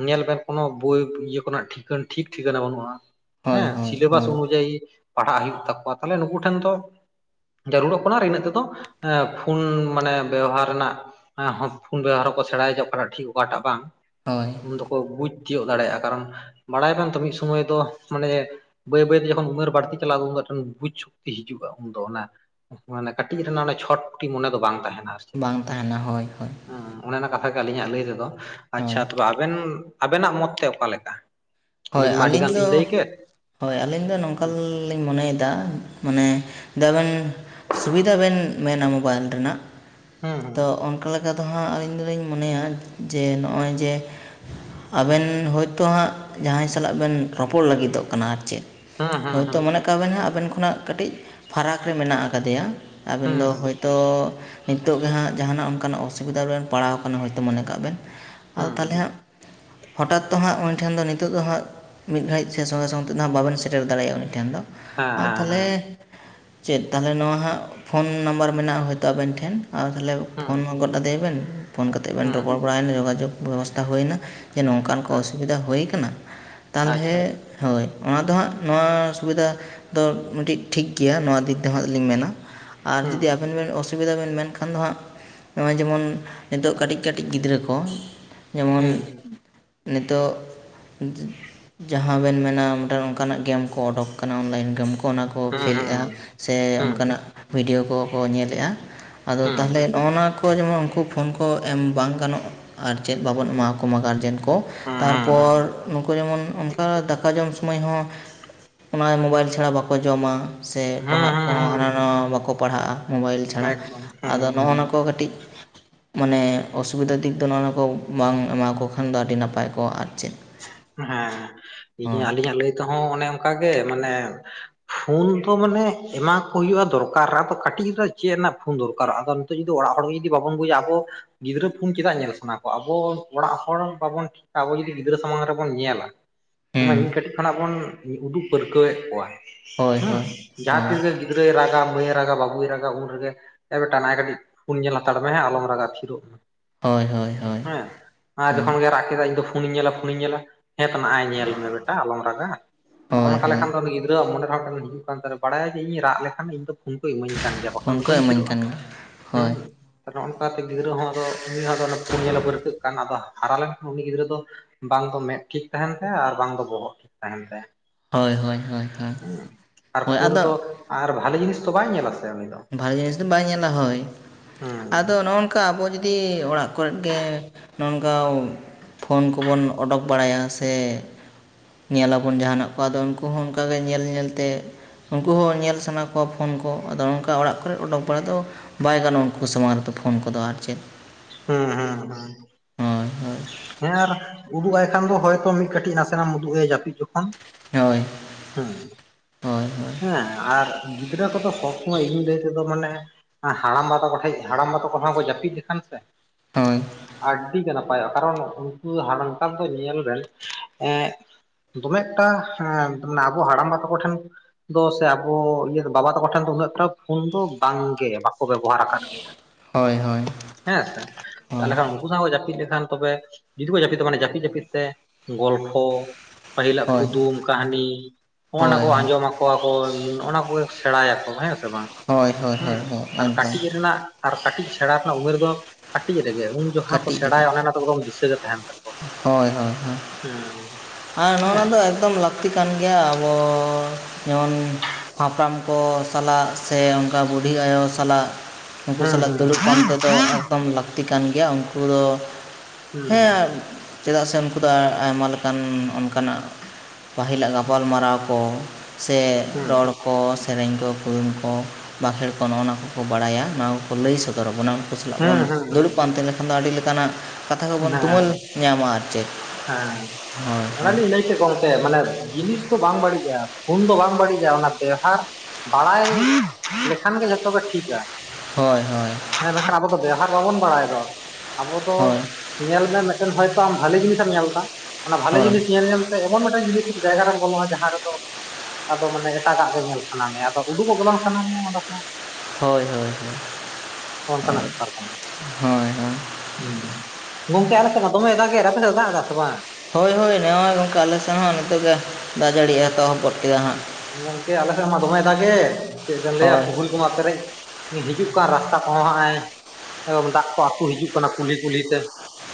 ᱧᱮᱞ ᱵᱮᱱ ᱠᱳᱱᱳ ᱵᱳᱭ ᱤᱭᱟᱹ ᱠᱚᱨᱮᱱᱟᱜ ᱴᱷᱤᱠ ᱴᱷᱤᱠ ᱴᱷᱤᱠᱟᱹᱱᱟ ᱵᱟᱹᱱᱩᱜ-ᱟ᱾ ᱦᱳᱭ ᱦᱮᱸ ᱦᱳᱭ ᱥᱤᱞᱮᱵᱟᱥ ᱦᱳᱭ ᱚᱱᱩᱡᱟᱭᱤ ᱯᱟᱲᱦᱟᱜ ᱦᱩᱭᱩᱜ ᱛᱟᱠᱚᱣᱟ᱾ ᱛᱟᱦᱞᱮ ᱱᱩᱠᱩ ᱴᱷᱮᱱ ᱫᱚ ᱡᱟᱹᱨᱩᱲᱚᱜ ᱠᱟᱱᱟ ᱟᱨ ᱤᱱᱟᱹᱜ ᱛᱮᱫᱚ ᱯᱷᱩᱱ ᱢᱟᱱᱮ ᱵᱮᱣᱦᱟᱨ ᱨᱮᱱᱟᱜ ᱦᱮᱸ ᱯᱷᱳᱱ ᱵᱮᱵᱚᱦᱟᱨ ᱦᱚᱸ ᱠᱚ ᱥᱮᱬᱟᱭ ᱦᱚᱪᱚᱜ ᱚᱠᱟᱴᱟᱜ ᱴᱷᱤᱠ ᱚᱠᱟᱴᱟᱜ ᱵᱟᱝ᱾ ᱦᱳᱭ᱾ ᱩᱱ ᱫᱚᱠᱚ ᱵᱩᱡᱽ ᱛᱤᱭᱳᱜ ᱫᱟᱲᱮᱭᱟᱜ-ᱟ᱾ ᱠᱟᱨᱚᱱ ᱵᱟᱲᱟᱭ ᱟᱵᱮᱱ ᱛᱚ ᱢᱤᱫ ᱥᱩᱢᱟᱹᱭ ᱫᱚ ᱢᱟᱱᱮ ᱵᱟᱹᱭ ᱵᱟᱹᱭᱛᱮ ᱡᱚᱠᱷᱚᱱ ᱩᱢᱟᱹᱨ ᱵᱟᱹᱲᱛᱤ ᱪᱟᱞᱟᱣ ᱩᱱ ᱫᱚ ᱢᱤᱫᱴᱟᱝ ᱵᱩᱡᱽ ᱥᱚᱠᱛᱤ ᱦᱤᱡᱩᱜ-ᱟ᱾ ᱩᱱᱫᱚ ᱚᱱᱟ ᱢᱟᱱᱮ ᱠᱟᱹᱴᱤᱡ ᱨᱮᱱᱟᱜ ᱚᱱᱟ ᱪᱷᱚᱴ ᱠᱩᱴᱤ ᱢᱚᱱᱮ ᱫᱚ ᱵᱟᱝ ᱛᱟᱦᱮᱱᱟ᱾ ᱪᱮᱫ ᱵᱟᱝ ᱛᱟᱦᱮᱱᱟ ᱦᱳᱭ ᱦᱳᱭ᱾ ᱦᱮᱸ ᱚᱱᱮ ᱚᱱᱟ ᱠᱟᱛᱷᱟ ᱜᱮ ᱟᱹᱞᱤᱧᱟᱜ ᱞᱟᱹᱭ ᱛᱮᱫᱚ ᱦᱳᱭ ᱟᱪᱪᱷᱟ ᱛᱚᱵᱮ ᱟᱵᱮᱱ ᱟᱵᱮᱱᱟᱜ ᱢᱚᱛ ᱛᱮ ᱚᱠᱟ ᱞᱮᱠᱟ? ᱦᱳᱭ ᱟᱹᱞᱤᱧ ᱢᱟ ᱟᱹᱰᱤ ᱜᱟᱱ ᱞᱤᱧ ᱫᱚ ᱞᱟᱹᱭ ᱠᱮᱫ᱾ ᱦᱳᱭ ᱟᱹᱞᱤᱧ ᱫᱚ ᱱᱚᱝᱠᱟᱞᱤᱧ ᱢᱚᱱᱮᱭᱮᱫᱟ ᱢᱟᱱᱮ ᱫᱟᱵᱮᱱ ᱥᱩᱵᱤᱫᱟ ᱵᱮᱱ ᱢᱮᱱᱟ ᱢᱳᱵᱟᱭᱤᱞ ᱨᱮᱱᱟᱜ ᱦᱩᱸ ᱛᱚ ᱚᱱᱠᱟ ᱞᱮᱠᱟ ᱫᱚ ᱦᱟᱸᱜ ᱟᱹᱞᱤᱧ ᱫᱚᱞᱤᱧ ᱢᱚᱱᱮᱭᱟ ᱡᱮ ᱱᱚᱜ-ᱚᱭ ᱡᱮ ᱟᱵᱮᱱ ᱦᱳᱭᱛᱳ ᱦᱟᱸᱜ ᱡᱟᱦᱟᱸᱭ ᱥᱟᱞᱟᱜ ᱵᱮᱱ ᱨᱚᱯᱚᱲ ᱞᱟᱹᱜᱤᱫᱚᱜ ᱠᱟᱱᱟ ᱟᱨ ᱪᱮᱫ ᱦᱩᱸ ᱦᱩᱸ ᱦᱳᱭᱛᱚ ᱦᱩᱸ ᱢᱟᱱᱮ ᱠᱟᱵᱮᱱ ᱦᱟᱜ ᱟᱵᱮᱱ ᱠᱷᱚᱱᱟᱜ ᱠᱟᱹᱴᱤᱡ ᱯᱷᱟᱨᱟᱠ ᱨᱮ ᱢᱮᱱᱟᱜ ᱟᱠᱟᱫᱮᱭᱟ ᱦᱩᱸ ᱟᱵᱮᱱ ᱫᱚ ᱦᱩᱸ ᱦᱩᱸ ᱦᱳᱭ ᱛᱚ ᱱᱤᱛᱚᱜ ᱜᱮ ᱦᱟᱸᱜ ᱡᱟᱦᱟᱱᱟᱜ ᱚᱱᱠᱟᱱᱟᱜ ᱚᱥᱩᱵᱤᱫᱷᱟ ᱨᱮ ᱵᱮᱱ ᱯᱟᱲᱟᱣ ᱠᱟᱱᱟ ᱦᱚᱭᱛᱳ ᱢᱚᱱᱮ ᱠᱟᱜ ᱵᱮᱱ᱾ ᱟᱫᱚ ᱦᱩᱸ ᱛᱟᱦᱚᱞᱮ ᱦᱩᱸ ᱦᱟᱸᱜ ᱦᱚᱴᱟᱛ ᱛᱚ ᱦᱟᱸᱜ ᱩᱱᱤ ᱴᱷᱮᱱ ᱫᱚ ᱱᱤᱛᱚᱜ ᱫᱚ ᱦᱟᱸᱜ ᱢᱤᱫ ᱜᱷᱟᱹᱲᱤᱡ ᱥᱮ ᱥᱚᱸᱜᱮ ᱥᱚᱝᱛᱮ ᱫᱚ ᱵᱟᱵᱮᱱ ᱥᱮᱴᱮᱨ ᱫᱟᱲᱮᱭᱟᱜᱼᱟ ᱩᱱᱤᱴᱷᱮᱱ ᱫᱚ᱾ ᱦᱮᱸ ᱟᱨ ᱦᱮᱸ ᱦᱮᱸ ᱛᱟᱦᱚᱞᱮ ᱪᱮᱫ ᱛᱟᱦᱚᱞᱮ ᱱᱚᱣᱟ ᱦᱟᱸᱜ ᱯᱷᱳᱱ ᱱᱟᱢᱵᱟᱨ ᱢᱮᱱᱟᱜᱼᱟ ᱦᱳᱭᱛᱳ ᱟᱵᱮᱱ ᱴᱷᱮᱱ ᱟᱨ ᱛᱟᱦᱚᱞᱮ ᱦᱩᱸ ᱯᱷᱳᱱ ᱜᱚᱫᱽ ᱟᱫᱮᱭᱟ ᱵᱮᱱ ᱯᱷᱳᱱ ᱠᱟᱛᱮᱫ ᱵᱮᱱ ᱦᱩᱸ ᱨᱚᱯᱚᱲ ᱵᱟᱲᱟᱭᱱᱟ ᱡᱳᱜᱟᱡᱳᱜᱽ ᱵᱮᱵᱚᱥᱛᱟ ᱦᱩᱭᱱᱟ᱾ ᱡᱮ ᱱᱚᱝᱠᱟ ᱚᱱᱠᱟ ᱦᱩᱸ ᱚᱥᱩᱵᱤᱫᱷᱟ ᱦᱳᱭ ᱟᱠᱟᱱᱟ ᱟᱪᱪᱷᱟ ᱛᱟᱞᱦᱮ ᱦᱳᱭ ᱚᱱᱟ ᱫᱚ ᱦᱟᱸᱜ ᱱᱚᱣᱟ ᱥᱩᱵᱤᱫᱟ ᱫᱚ ᱢᱤᱫᱴᱤᱡ ᱴᱷᱤᱠ ᱜᱮᱭᱟ ᱱᱚᱣᱟ ᱫᱤᱠ ᱫᱤᱭᱮ ᱦᱟᱸᱜ ᱫᱚᱞᱤᱧ ᱢᱮᱱᱟ᱾ ᱟᱨ ᱡᱩᱫᱤ ᱟᱵᱮᱱ ᱵᱮᱱ ᱚᱥᱩᱵ ᱥᱩᱵᱤᱫᱷᱟ ᱵᱮᱱ ᱢᱮᱱᱠᱷᱟᱱ ᱫᱚ ᱦᱟᱸᱜ ᱱᱚᱜᱼᱚᱭ ᱡᱮᱢᱚᱱ ᱱᱤᱛᱳᱜ ᱠᱟᱹᱴᱤᱡ ᱠᱟᱹᱴᱤᱡ ᱜᱤᱫᱽᱨᱟᱹ ᱠᱚ ᱡᱮᱢᱚᱱ ᱱᱤᱛᱚᱜ ᱡᱟᱦᱟᱸ ᱵᱮᱱ ᱢᱮᱱᱟ ᱚᱰᱮᱱ ᱚᱱᱠᱟᱱᱟᱜ ᱜᱮᱢ ᱠᱚ ᱚᱰᱳᱠ ᱟᱠᱟᱱᱟ ᱚᱱᱞᱟᱭᱤᱱ ᱜᱮᱢ ᱠᱚ᱾ ᱚᱱᱟ ᱠᱚ ᱠᱷᱮᱞᱮᱜᱼᱟ ᱥᱮ ᱚᱱᱠᱟᱱᱟᱜ ᱵᱷᱤᱰᱤᱭᱳ ᱠᱚᱠᱚ ᱧᱮᱞᱮᱜᱼᱟ᱾ ᱟᱫᱚ ᱛᱟᱦᱚᱞᱮ ᱱᱚᱜᱼᱱᱟ ᱠᱚ ᱠᱚ ᱡᱮᱢᱚᱱ ᱩᱱᱠᱩ ᱯᱷᱳᱱ ᱠᱚ ᱮᱢ ᱵᱟᱝ ᱜᱟᱱᱚᱜ ᱟᱨ ᱪᱮᱫ ᱵᱟᱵᱚᱱ ᱮᱢᱟᱠᱚ ᱢᱟ ᱜᱟᱨᱡᱮᱱ ᱠᱚ᱾ ᱛᱟᱨᱯᱚᱨ ᱱᱩᱠᱩ ᱡᱮᱢᱚᱱ ᱚᱱᱠᱟ ᱫᱟᱠᱟ ᱡᱚᱢ ᱥᱩᱢᱟᱹᱭ ᱦᱚᱸ ᱚᱱᱟ ᱢᱳᱵᱟᱭᱤᱞ ᱪᱷᱟᱲᱟ ᱵᱟᱠᱚ ᱡᱚᱢᱟ᱾ ᱥᱮ ᱯᱟᱲᱦᱟᱜ ᱠᱚᱦᱚᱸ ᱦᱟᱱᱟ ᱱᱟᱣᱟ ᱵᱟᱠᱚ ᱯᱟᱲᱦᱟᱜᱼᱟ᱾ ᱢᱳᱵᱟᱭᱤᱞ ᱪᱷᱟᱲᱟ ᱮᱠᱫᱚᱢ ᱦᱩᱸ ᱟᱫᱚ ᱱᱚᱜᱼᱚ ᱱᱟ ᱠᱚ ᱠᱚ ᱠᱟᱹᱴᱤᱡ ᱢᱟᱱᱮ ᱚᱥᱩᱵᱤᱫᱟ ᱫᱤᱠ ᱫᱚ ᱱᱚᱜᱼᱚ ᱱᱟ ᱠᱚ ᱵᱟᱝ ᱮᱢᱟᱠᱚ ᱠᱷᱟᱱ ᱫᱚ ᱟᱹᱰᱤ ᱱᱟᱯᱟᱭ ᱠᱚᱼᱟ ᱟᱨ ᱪᱮᱫ᱾ ᱦᱮᱸ ᱦᱳᱭ ᱤᱧᱟ ᱟᱹᱞᱤᱧᱟᱜ ᱞᱟᱹᱭ ᱛᱮᱦᱚᱸ ᱚᱱᱮ ᱚᱱᱠᱟᱜᱮ ᱢᱟᱱᱮ᱾ ᱯᱷᱳᱱ ᱫᱚ ᱢᱟᱱᱮ ᱮᱢᱟ ᱠᱚ ᱦᱩᱭᱩᱜᱼᱟ ᱫᱚᱨᱠᱟᱨ ᱨᱮ᱾ ᱟᱫᱚ ᱠᱟᱹᱴᱤᱡ ᱨᱮ ᱪᱮᱫ ᱨᱮᱱᱟᱜ ᱯᱷᱳᱱ ᱫᱚᱨᱠᱟᱨᱚᱜᱼᱟ ᱟᱫᱚ ᱦᱤᱛᱚᱜ ᱡᱩᱫᱤ ᱚᱲᱟᱜ ᱦᱚᱲ ᱜᱮ ᱡᱩᱫᱤ ᱵᱟᱵᱚᱱ ᱵᱩᱡᱟ ᱟᱵᱚ ᱜᱤᱫᱽᱨᱟᱹ ᱯᱷᱳᱱ ᱪᱮᱫᱟᱜ ᱧᱮᱞ ᱥᱟᱱᱟ ᱠᱚᱣᱟ? ᱟᱵᱚ ᱚᱲᱟᱜ ᱦᱚᱲ ᱵᱟᱵᱚᱱ ᱴᱷᱤᱠ ᱟᱵᱚ ᱡᱩᱫᱤ ᱜᱤᱫᱽᱨᱟᱹ ᱥᱟᱢᱟᱝ ᱨᱮ ᱵᱚᱱ ᱧᱮᱞᱟ ᱢᱤᱫ ᱦᱮᱸ ᱠᱟᱹᱴᱤᱡ ᱠᱷᱚᱱᱟᱜ ᱵᱚᱱ ᱩᱫᱩᱜ ᱯᱟᱹᱨᱠᱟᱹᱣᱮᱫ ᱠᱚᱣᱟ᱾ ᱦᱳᱭ ᱦᱮᱸ ᱦᱳᱭ ᱡᱟᱦᱟᱸ ᱦᱳᱭ ᱛᱤᱨᱮᱜᱮ ᱜᱤᱫᱽᱨᱟᱹᱭ ᱨᱟᱜᱟ ᱢᱟᱹᱭᱮ ᱨᱟᱜᱟ ᱵᱟᱹᱵᱩᱭ ᱨᱟᱜᱟ ᱩᱱ ᱨᱮᱜᱮ ᱮ ᱵᱟᱴᱟ ᱱᱟᱭ ᱠᱟᱹᱴᱤᱡ ᱯᱷᱩᱱ ᱧᱮᱞ ᱦᱟᱛᱟᱲ ᱢᱮ ᱦᱮᱸ ᱟᱞᱚᱢ ᱨᱟᱜ ᱛᱷᱤᱨᱚᱜ ᱢᱮ ᱦᱳᱭ ᱦᱳᱭ ᱦᱳᱭ ᱾ ᱦᱮᱸ ᱟᱨ ᱡᱚᱠᱷᱚᱱ ᱦᱳᱭ ᱜᱮ ᱨᱟᱜ ᱠᱮᱫᱟ ᱤᱧ ᱫᱚ ᱯᱷᱩᱱᱤᱧ ᱧᱮᱞᱟ ᱯᱷᱩᱱᱤᱧ ᱧᱮᱞᱟᱼᱼ ᱦᱮᱸ ᱛᱚ ᱱᱟᱜᱟᱭ ᱧᱮᱞ ᱢᱮ ᱵᱮᱴᱟ ᱟᱞᱚᱢ ᱨᱟᱜᱟ ᱱᱚᱜᱼᱚ ᱦᱳᱭ ᱱᱚᱝᱠᱟ ᱦᱳᱭ ᱞᱮᱠᱷᱟᱱ ᱫᱚ ᱱᱩᱭ ᱜᱤᱫᱽᱨᱟᱹᱣᱟᱜ ᱢᱚᱱᱮ [inaudible] ᱵᱟᱲᱟᱭᱟ ᱡᱮ ᱤᱧ ᱨᱟᱜ ᱞᱮᱠᱷᱟᱱ ᱤᱧ ᱫᱚ ᱯᱷᱩᱱ ᱠᱩ ᱤᱢᱟᱹᱧ ᱠᱟᱱ ᱜᱮᱭᱟ ᱵᱟᱠᱷᱟᱱ ᱯᱷᱳᱱ ᱫᱚ ᱠᱚ ᱵᱟᱹᱧ ᱤᱢᱟᱹᱧ ᱛᱷᱤᱨᱚᱜ-ᱟ ᱠᱟᱱ ᱜᱮᱭᱟ ᱦᱳᱭ ᱦᱮᱸ ᱾ ᱱᱚᱜ ᱚᱱᱠᱟᱛᱮ ᱜᱤᱫᱽᱨᱟᱹ ᱦᱚᱸ ᱟᱫᱚ ᱩᱱᱤ ᱦᱚᱲ ᱫᱚ ᱯᱷᱳᱱ ᱧᱮᱞᱮ ᱯᱟᱹᱨᱠᱟᱹᱜ ᱠᱟᱱ ᱟᱫᱚ ᱦᱟᱨᱟ ᱞᱮᱱᱠᱷᱟᱱ ᱩᱱᱤ ᱜᱤᱫᱽᱨᱟᱹ ᱫᱚ ᱵᱟᱝ ᱫᱚ ᱢᱮᱫ ᱴᱷᱤᱠ ᱛᱟᱦᱮᱱ ᱛᱟᱭᱟ ᱟᱨ ᱵᱟᱝ ᱫᱚ ᱵᱚᱦᱚᱜ ᱴᱷᱤᱠ ᱛᱟᱦᱮᱱ ᱛᱟᱭᱟ ᱦᱳᱭ ᱦᱳᱭ ᱦᱳᱭ ᱦᱳᱭ ᱾ ᱦᱩᱸ ᱟᱨ ᱦᱳᱭ ᱯᱷᱩᱱ ᱟᱫᱚ ᱨᱮᱫᱚ ᱟᱨ ᱵᱷᱟᱞᱮ ᱡᱤᱱᱤᱥ ᱫᱚ ᱵᱟᱭ ᱧᱮᱞᱟ ᱥᱮ ᱩᱱᱤ ᱫᱚ ᱵᱷᱟᱞᱮ ᱡᱤᱱᱤᱥ ᱫᱚ ᱵᱟᱭ ᱧᱮᱞᱟ ᱦᱳᱭ ᱦᱩᱸ ᱟᱫᱚ ᱱᱚᱜᱼᱚᱱ ᱚᱱᱠᱟ ᱟᱵᱚ ᱡᱩᱫᱤ ᱚᱲᱟᱜ ᱠᱚᱨᱮ ᱜᱮ ᱱᱚᱜ ᱱᱚᱝᱠᱟ ᱯᱷᱳᱱ ᱠᱚᱵᱚᱱ ᱚᱰᱳᱠ ᱵᱟᱲᱟᱭᱟ ᱥᱮ ᱧᱮᱞᱟᱵᱚᱱ ᱡᱟᱦᱟᱱᱟᱜ ᱠᱚ ᱟᱫᱚ ᱩᱱᱠᱩ ᱦᱚᱸ ᱚᱱᱠᱟ ᱜᱮ ᱧᱮᱞ ᱧᱮᱞ ᱛᱮ ᱩᱱᱠᱩ ᱦᱚᱸ ᱧᱮᱞ ᱥᱟᱱᱟ ᱠᱚᱣᱟ ᱯᱷᱳᱱ ᱠᱚ ᱟᱫᱚ ᱱᱚᱱᱠᱟ ᱚᱱᱠᱟ ᱚᱲᱟᱜ ᱠᱚᱨᱮ ᱚᱰᱚᱠ ᱵᱟᱲᱟ ᱫᱚ ᱵᱟᱭ ᱜᱟᱱᱚᱜ ᱩᱱᱠᱩ ᱥᱟᱢᱟᱝ ᱨᱮᱫᱚ ᱯᱷᱳᱱ ᱠᱚᱫᱚ ᱟᱨ ᱪᱮᱫ ᱦᱩᱸ ᱦᱩᱸ ᱦᱩᱸ ᱦᱳᱭ ᱦᱳᱭ, ᱦᱮᱸ ᱟᱨ ᱩᱫᱩᱜ ᱟᱭ ᱠᱷᱟᱱ ᱫᱚ ᱦᱚᱭᱛᱳ ᱢᱤᱫ ᱠᱟᱹᱴᱤᱡ ᱱᱟᱥᱮᱱᱟᱜ ᱟᱢ ᱩᱫᱩᱜ ᱟᱭᱟ ᱡᱟᱹᱯᱤᱫ ᱡᱚᱠᱷᱚᱱ ᱦᱳᱭ ᱦᱩᱸ ᱦᱳᱭ ᱦᱳᱭ ᱦᱮᱸ ᱟᱨ ᱜᱤᱫᱽᱨᱟᱹ ᱠᱚᱫᱚ ᱥᱚᱵ ᱥᱚᱢᱚᱭ ᱤᱧ ᱞᱟᱹᱭ ᱛᱮᱫᱚ ᱢᱟᱱᱮ ᱦᱟᱲᱟᱢ ᱵᱟ ᱛᱟᱠᱚ ᱴᱷᱮᱡ ᱦᱟᱲᱟᱢ ᱵᱟ ᱛᱟᱠᱚ ᱥᱟᱶ ᱠᱚ ᱡᱟᱯᱤᱫ ᱞᱮᱠᱷᱟᱱ ᱥᱮ ᱦᱳᱭ, ᱟᱹᱰᱤ ᱜᱮ ᱱᱟᱯᱟᱭᱚᱜ ᱠᱟᱨᱚᱱ ᱩᱱᱠᱩ ᱦᱟᱲᱟᱱ ᱛᱟᱨ ᱫᱚ ᱧᱮᱞ ᱨᱮᱱ ᱮᱸ ᱫᱚᱢᱮ ᱮᱠᱴᱟ ᱮᱸ ᱟᱵᱚ ᱦᱟᱲᱟᱢ ᱵᱟ ᱛᱟᱠᱚ ᱴᱷᱮᱱ ᱫᱚ ᱥᱮ ᱟᱵᱚ ᱤᱭᱟᱹ ᱵᱟᱵᱟ ᱛᱟᱠᱚ ᱴᱷᱮᱱ ᱫᱚ ᱩᱱᱟᱹᱜ ᱴᱟᱣ ᱯᱷᱳᱱ ᱫᱚ ᱵᱟᱝᱜᱮ ᱵᱟᱠᱚ ᱵᱮᱵᱚᱦᱟᱨ ᱟᱠᱟᱫ᱾ ᱜᱮᱭᱟ᱾ ᱦᱳᱭ ᱦᱳᱭ᱾ ᱦᱮᱸ ᱥᱮ᱾ ᱦᱳᱭ ᱛᱟᱦᱚᱞᱮ ᱠᱷᱟᱱ ᱩᱱᱠᱩ ᱥᱟᱶ ᱡᱟᱹᱯᱤᱫ ᱞᱮᱠᱷᱟᱱ ᱛᱚᱵᱮ ᱡᱩᱫᱤ ᱠᱚ ᱡᱟᱹᱯᱤᱫᱟ ᱢᱟᱱᱮ ᱡᱟᱹᱯᱤᱫ ᱡᱟᱹᱯᱤᱫ ᱛᱮ ᱜᱚᱞᱯᱷᱚ ᱯᱟᱹᱦᱤᱞᱟᱜ ᱦᱳᱭ ᱠᱩᱫᱩᱢ ᱠᱟᱹᱦᱱᱤ᱾ ᱱᱚᱜ ᱱᱟ ᱦᱳᱭ ᱠᱚ ᱦᱳᱭ ᱟᱸᱡᱚᱢ ᱟᱠᱚᱣᱟ ᱠᱚ ᱱᱚᱜ ᱱᱚᱣᱟ ᱠᱚ ᱜᱮ ᱥᱮᱬᱟᱭᱟ ᱠᱚ ᱦᱮᱸ ᱥᱮ ᱵᱟᱝ ᱦᱳᱭ ᱦᱳᱭ ᱦᱩᱸ ᱦᱳᱭ ᱟᱨ ᱮᱠᱫᱚᱢ ᱠᱟᱹᱴᱤᱡ ᱨᱮᱱᱟᱜ ᱟᱨ ᱠᱟᱹᱴᱤᱡ ᱥᱮᱬᱟ ᱨᱮᱱᱟᱜ ᱩᱢᱮᱨ ᱫᱚ ᱠᱟᱹᱴᱤᱡ ᱨᱮᱜᱮ ᱩᱱ ᱡᱚᱠᱷᱟ ᱠᱚ ᱠᱟᱹᱴᱤᱡ ᱨᱮᱜᱮ ᱥᱮᱬᱟᱭᱟ ᱚᱱᱮ ᱚᱱᱟ ᱫᱚ ᱵᱚ ᱨᱟᱱ ᱫᱤᱥᱟᱹ ᱜᱮ ᱛᱟᱦᱮᱱ ᱛᱟᱠᱚᱣᱟ ᱦᱳᱭ ᱦᱳᱭ ᱦᱳᱭ ᱦᱮᱸ ᱟᱨ ᱱᱚᱜ ᱦᱮᱸ ᱱᱚᱣᱟ ᱫᱚ ᱮᱠᱫᱚᱢ ᱞᱟᱛ ᱞᱟᱹᱠᱛᱤ ᱠᱟᱱ ᱜᱮᱭᱟ ᱟᱵᱚ ᱡᱮᱢᱚᱱ ᱦᱟᱯᱲᱟᱢ ᱠᱚ ᱥᱟᱞᱟᱜ ᱥᱮ ᱚᱱᱠᱟ ᱵᱩᱰᱦᱤ ᱟᱭᱳ ᱥᱟᱞᱟᱜ ᱩᱱᱩᱠᱩ ᱦᱮᱸ ᱥᱟᱞᱟᱜ ᱦᱮᱸ ᱦᱮᱸ ᱫᱩᱲᱩᱵ ᱯᱟᱱᱛᱮ ᱫᱚ ᱮᱠᱫᱚᱢ ᱞᱟᱹᱠᱛᱤ ᱞᱟᱹᱠᱛᱤ ᱠᱟᱱ ᱜᱮᱭᱟ ᱩᱱᱠᱩ ᱫᱚ ᱦᱮᱸ ᱪᱮᱫᱟᱜ ᱥᱮ ᱩᱱᱠᱩ ᱫᱚ ᱟᱼᱟᱭᱢᱟ ᱞᱮᱠᱟᱱ ᱚᱱᱠᱟᱱᱟᱜ ᱯᱟᱹᱦᱤᱞᱟᱜ ᱜᱟᱯᱟᱞᱼᱢᱟᱨᱟᱣ ᱠᱚ ᱥᱮ ᱦᱮᱸ ᱨᱚᱲ ᱠᱚ ᱥᱮᱨᱮᱧ ᱠᱚ ᱠᱩᱫᱩᱢ ᱠᱚ ᱵᱟᱸᱠᱷᱮᱲ ᱠᱚ ᱱᱚᱜᱼᱟ ᱠᱚᱠᱚ ᱵᱟᱲᱟᱭᱟ ᱱᱚᱣᱟ ᱠᱚᱠᱚ ᱞᱟᱹᱭ ᱥᱚᱫᱚᱨ ᱟᱵᱚᱱᱟ ᱩᱱᱠᱩ ᱥᱟᱞᱟᱜ ᱵᱚᱱ ᱦᱮᱸ ᱦᱮᱸ ᱦᱮᱸ ᱫᱩᱲᱩᱵ ᱯᱟᱱᱛᱮ ᱞᱮᱠᱷᱟᱱ ᱫᱚ ᱟᱹᱰᱤ ᱞᱮᱠᱟᱱᱟᱜ ᱠᱟᱛᱷᱟ ᱠᱚᱵᱚᱱ ᱦᱮᱸ ᱛᱩᱢᱟᱹᱞ ᱧᱟᱢᱚᱜ ᱟᱨ ᱪᱮᱫ ᱦᱳᱭ ᱦᱳᱭ ᱮ ᱜᱚᱝᱠᱮ ᱢᱟᱱᱮ ᱡᱤᱱᱤᱥ ᱫᱚ ᱵᱟᱝ ᱵᱟᱹᱲᱤᱡᱼᱟ ᱯᱷᱩᱱ ᱫᱚ ᱵᱟᱝ ᱵᱟᱹᱲᱤᱡᱼᱟ ᱚᱱᱟᱛᱮ ᱵᱟᱲᱟᱭ ᱞᱮᱠᱷᱟᱱ ᱜᱮ ᱡᱷᱚᱛᱚ ᱜᱮ ᱴᱷᱤᱠᱟ ᱾ ᱦᱳᱭ ᱦᱳᱭ ᱦᱮᱸ [unintelligible] ᱠᱷᱟᱱ ᱟᱵᱚ ᱫᱚ ᱵᱮᱵᱷᱟᱨ ᱵᱟᱵᱚᱱ ᱵᱟᱲᱟᱭ ᱫᱚ ᱟᱵᱚ ᱫᱚ ᱦᱳᱭ ᱧᱮᱞ ᱢᱮ ᱢᱤᱫᱴᱮᱱ ᱦᱚᱭᱛᱚ ᱟᱢ ᱵᱷᱟᱞᱤ ᱡᱤᱱᱤᱥᱮᱢ ᱧᱮᱞ ᱫᱟ ᱾ ᱚᱱᱟ ᱵᱷᱟᱞᱤ ᱦᱳᱭ ᱡᱤᱱᱤᱥ ᱧᱮᱞ ᱧᱮᱞᱛᱮ ᱮᱢᱚᱱ ᱢᱤᱫᱴᱟᱝ ᱡᱤᱱᱤᱥ ᱡᱟᱭᱜᱟ ᱨᱮᱢ ᱵᱚᱞᱚᱜᱼᱟ ᱡᱟᱦᱟᱸ ᱨᱮᱫᱚ, ᱟᱫᱚ ᱢᱟᱱᱮ ᱮᱴᱟᱜᱟᱜ ᱜᱮ ᱧᱮᱞ ᱥᱟᱱᱟ ᱢᱮᱭᱟ ᱟᱫᱚ ᱩᱰᱩᱠᱚᱜ ᱜᱮ ᱵᱟᱝ ᱥᱟᱱᱟ ᱢᱮᱭᱟ ᱚᱸᱰᱮ ᱠᱷᱚᱱ। ᱦᱳᱭ ᱦᱳᱭ। [inaudible] ᱚᱱᱠᱟᱱᱟᱜ ᱵᱮᱯᱟᱨ ᱠᱟᱱᱟ। ᱦᱳᱭ ᱦᱳᱭ ᱜᱚᱢᱠᱮ ᱟᱞᱮ ᱥᱮᱫ ᱢᱟ ᱫᱚᱢᱮ ᱫᱟᱜ ᱮᱫ ᱟᱯᱮᱥᱮᱫ ᱫᱟᱜ ᱫᱟ ᱥᱮ ᱵᱟᱝ ᱦᱳᱭ ᱦᱳᱭ ᱱᱚᱜᱼᱚᱭ ᱜᱚᱢᱠᱮ ᱟᱞᱮᱥᱮᱫ ᱦᱚᱸ ᱱᱤᱛᱚᱜ ᱜᱮ ᱫᱟᱜ ᱡᱟᱹᱲᱤ ᱮ ᱮᱛᱚᱦᱚᱵ ᱜᱚᱫ ᱠᱮᱫᱟ ᱦᱟᱸᱜ ᱜᱚᱢᱠᱮ ᱟᱞᱮ ᱥᱮᱫ ᱢᱟ ᱫᱚᱢᱮᱭ ᱫᱟᱜᱼᱮᱜ ᱪᱮᱫ ᱵᱮᱱ ᱞᱟᱹᱭᱟ ᱦᱳᱭ ᱯᱩᱞ [unintelligible] [unintelligible] ᱯᱮᱨᱮᱡ ᱦᱤᱡᱩᱜ ᱠᱟᱱ ᱨᱟᱥᱛᱟ ᱠᱚᱦᱚᱸ ᱦᱟᱸᱜᱼᱮᱭ [unintelligible] ᱫᱟᱜ ᱠᱚ ᱟᱹᱛᱩ ᱦᱤᱡᱩᱜ ᱠᱟᱱᱟ ᱠᱩᱞᱦᱤ ᱠᱩᱞᱦᱤ ᱛᱮ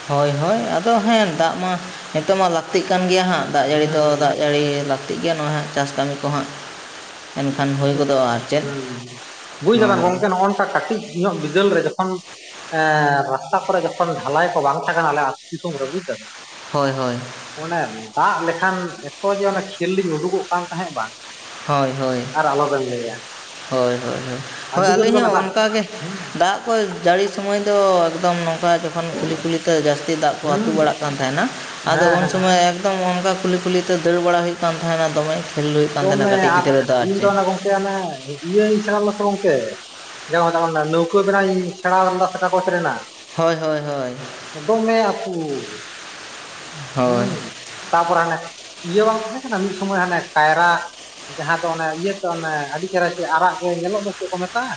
ᱦᱳᱭ ᱦᱳᱭ ᱟᱫᱚ ᱦᱮᱸ ᱫᱟᱜ ᱢᱟ ᱱᱤᱛᱚᱜ ᱢᱟ ᱞᱟᱹᱠᱛᱤᱜ ᱠᱟᱱ ᱜᱮᱭᱟ ᱦᱟᱸᱜ ᱫᱟᱜ ᱡᱟᱹᱲᱤ ᱫᱚ ᱦᱩᱸ ᱫᱟᱜ ᱡᱟᱹᱲᱤ ᱞᱟᱠᱛᱤ ᱴᱷᱤᱠ ᱜᱮᱭᱟ ᱱᱚᱣᱟ ᱦᱟᱜ ᱪᱟᱥ ᱠᱟᱹᱢᱤ ᱦᱟᱜ [inaudible] [inaudible] ᱵᱩᱡ ᱫᱟᱵᱮᱱ ᱜᱚᱢᱠᱮ ᱱᱚᱜᱼᱚ ᱱᱚᱝᱠᱟ ᱠᱟᱹᱴᱤᱡ ᱧᱚᱜ ᱵᱤᱫᱟᱹᱞ ᱨᱮ ᱡᱚᱠᱷᱚᱱ ᱮᱸ ᱨᱟᱥᱛᱟ ᱠᱚᱨᱮ ᱡᱚᱠᱷᱚᱱ ᱰᱷᱟᱞᱟᱭ ᱠᱚ ᱵᱟᱝ ᱛᱟᱦᱮᱸ ᱠᱟᱱᱟ ᱟᱞᱮ ᱟᱹᱛᱩ ᱫᱤᱥᱚᱢ ᱨᱮ ᱵᱩᱡ ᱫᱟᱵᱮᱱ। ᱦᱳᱭ ᱦᱳᱭ। ᱚᱱᱮ ᱫᱟᱜ ᱞᱮᱠᱷᱟᱱ ᱮᱛᱚ ᱡᱮ ᱚᱱᱮ ᱠᱷᱮᱞ ᱞᱤᱧ ᱩᱰᱩᱠᱚᱜ ᱠᱟᱱ ᱛᱟᱦᱮᱸᱜ ᱵᱟᱝ ᱦᱳᱭ ᱦᱳᱭ। ᱟᱨ ᱟᱞᱚ ᱵᱮᱱ ᱞᱟᱹᱭᱟ। ᱦᱳᱭ ᱦᱳᱭ ᱦᱳᱭ ᱾ ᱦᱳᱭ ᱟᱹᱰᱤ ᱡᱳᱨ ᱜᱮ ᱟᱹᱞᱤᱧ ᱚᱱᱟ ᱦᱚᱸ ᱫᱟᱜ ᱚᱱᱠᱟᱜᱮ ᱦᱩᱸ ᱫᱟᱜ ᱦᱳᱭ ᱡᱟᱹᱲᱤ ᱥᱟᱢᱚᱭ ᱫᱚ ᱮᱠᱫᱚᱢ ᱱᱚᱝᱠᱟ [unintelligible] ᱠᱷᱚᱱ ᱠᱩᱞᱦᱤ ᱠᱩᱞᱦᱤ ᱛᱮ ᱡᱟᱹᱥᱛᱤ ᱫᱟᱜ ᱠᱚ ᱟᱹᱛᱩ ᱦᱩᱸ ᱵᱟᱲᱟᱜ ᱠᱟᱱ ᱛᱟᱦᱮᱸᱱᱟ ᱟᱫᱚ ᱦᱮᱸ ᱩᱱ ᱦᱮᱸ ᱥᱚᱢᱚᱭ ᱮᱠᱫᱚᱢ ᱚᱱᱠᱟ ᱠᱩᱞᱦᱤ ᱠᱩᱞᱦᱤ ᱛᱮ ᱫᱟᱹᱲ ᱵᱟᱲᱟ ᱦᱩᱭᱩᱜ ᱠᱟᱱ ᱛᱟᱦᱮᱱᱟ ᱫᱚᱢᱮ ᱠᱷᱮᱞᱰᱩ ᱫᱚᱢᱮ ᱟᱨ ᱤᱧᱫᱚ ᱚᱱᱮ ᱜᱚᱢᱠᱮ ᱚᱱᱮ ᱤᱭᱟᱹᱧ ᱥᱮᱬᱟ ᱞᱮᱫᱟ ᱥᱮ ᱜᱚᱢᱠᱮ ᱡᱮ ᱚᱱᱮ ᱚᱱᱟ ᱱᱟᱹᱣᱠᱟᱹ ᱵᱮᱱᱟᱣᱤᱧ ᱥᱮᱸᱬᱟ ᱞᱮᱫᱟ ᱥᱮ ᱠᱟᱜᱚᱡᱽ ᱨᱮᱱᱟᱜ ᱦᱳᱭ ᱦᱳᱭ ᱦᱳᱭ। ᱫᱚᱢᱮ ᱟᱛᱩ ᱦᱮᱸ ᱦᱳᱭ ᱛᱟᱯᱚᱨᱮ ᱦᱟᱱᱮ ᱤᱭᱟᱹ ᱵᱟᱝ ᱛᱟᱦᱮᱸ ᱠᱟᱱᱟ ᱢᱤᱫ ᱥᱚᱢᱚᱭ ᱦᱟᱱᱮ ᱠᱟᱭᱨᱟ ᱡᱟᱦᱟᱸ ᱫᱚ ᱚᱱᱮ ᱤᱭᱟᱹ ᱛᱚ ᱚᱱᱮ ᱟᱹᱰᱤ ᱪᱮᱦᱮᱨᱟ ᱪᱮᱫ ᱟᱨᱟᱜ ᱜᱮ ᱧᱮᱞᱚᱜ ᱫᱚ ᱪᱮᱫ ᱠᱚ ᱢᱮᱛᱟᱜᱼᱟ?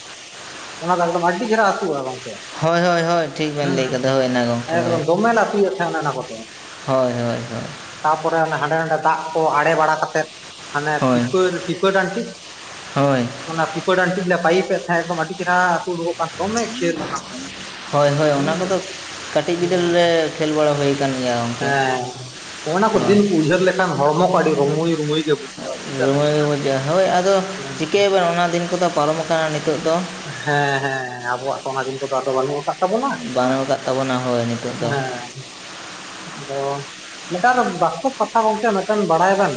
ᱚᱱᱟ ᱫᱚ ᱮᱠᱫᱚᱢ ᱟᱹᱰᱤ ᱫᱮᱦᱮᱨᱟ ᱟᱹᱛᱩᱜᱼᱟ ᱜᱚᱢᱠᱮ᱾ ᱦᱳᱭ ᱦᱳᱭ ᱦᱳᱭ ᱴᱷᱤᱠ ᱵᱮᱱ ᱞᱟᱹᱭ ᱠᱟᱫᱟ ᱦᱳᱭ ᱜᱚᱢᱠᱮ ᱦᱳᱭ ᱮᱠᱫᱚᱢ ᱫᱚᱢᱮ ᱞᱮ ᱟᱹᱛᱩᱭᱮᱫ ᱛᱟᱦᱮᱸ ᱚᱱᱮ ᱚᱱᱟ ᱠᱚᱫᱚ [inaudible] ᱦᱳᱭ ᱦᱳᱭ ᱦᱳᱭ ᱛᱟᱯᱚᱨᱮ ᱚᱱᱮ ᱦᱟᱸᱰᱮ ᱱᱟᱰᱮ ᱫᱟᱜ ᱠᱚ ᱟᱲᱮ ᱵᱟᱲᱟ ᱠᱟᱛᱮᱫ ᱦᱟᱱᱮ ᱦᱳᱭ ᱯᱤᱯᱟᱹ ᱯᱤᱯᱟᱹ ᱰᱟᱹᱸᱴᱤᱡ ᱦᱳᱭ ᱚᱱᱟ ᱯᱤᱯᱟᱹ ᱰᱟᱱᱴᱤᱡ ᱞᱮ ᱯᱟᱭᱤᱯ ᱮ ᱛᱟᱦᱮᱸᱫ ᱮᱫᱚᱢ ᱟᱹᱰᱤ ᱪᱮᱦᱨᱟ ᱟᱹᱛᱩ ᱩᱰᱩᱠᱚᱜ ᱠᱟᱱ ᱫᱚᱢᱮ ᱠᱷᱮᱞ ᱚᱱᱟ ᱠᱚᱫᱚ ᱦᱳᱭ ᱦᱳᱭ ᱚᱱᱟ ᱦᱩᱸ ᱠᱚᱫᱚ ᱠᱟᱹᱴᱤᱡ ᱵᱤᱫᱟᱹᱞ ᱨᱮ ᱠᱷᱹᱮᱞ ᱵᱟᱲᱟ ᱦᱩᱭ ᱠᱟᱱᱟᱱ ᱜᱮᱭᱟ᱾ ᱜᱚᱢᱠᱮ ᱦᱮᱸᱜ ᱚᱱᱟ ᱠᱚ ᱦᱳᱭ ᱫᱤᱱ ᱠᱚ ᱩᱭᱦᱟᱹᱨ ᱞᱮᱠᱷᱟᱱ ᱦᱚᱲᱢᱚ ᱠᱚ ᱟᱹᱰᱤ ᱨᱩᱢᱩᱭ ᱨᱩᱢᱩᱭ ᱜᱮ ᱵᱩᱡᱷᱟᱹᱜ ᱨᱩᱢᱟᱹᱭ ᱨᱩᱢᱟᱹᱭ ᱜᱮ ᱦᱳᱭ ᱟᱫᱚ ᱪᱤᱠᱟᱹᱭᱭᱟᱵᱱ ᱚᱱᱟ ᱫᱤᱱ ᱠᱚᱫᱚ ᱯᱟᱨᱚᱢ ᱟᱠᱟᱱᱟ ᱱᱤᱛᱚᱜ ᱫᱚ ᱦᱮᱸ ᱦᱮᱸ ᱟᱵᱚᱣᱟᱜ ᱠᱚ ᱚᱱᱟ ᱤᱱ ᱫᱚ ᱟᱫᱚ ᱵᱟᱹᱱᱩᱜ ᱟᱠᱟᱫ ᱟᱵᱚᱱᱟᱜ ᱵᱟᱹᱱᱩᱜ ᱟᱠᱟᱫ ᱛᱟᱵᱚᱱᱟ ᱦᱳᱭ ᱱᱤᱛᱚᱜ ᱫᱚ ᱦᱮᱸ ᱟᱫᱚ ᱢᱤᱫᱴᱟᱱ ᱵᱟᱥᱛᱚᱵ ᱠᱟᱛᱷᱟ ᱜᱚᱝᱠᱮ ᱢᱤᱫᱴᱮᱱ ᱵᱟᱲᱟᱭᱟ ᱵᱮᱱ?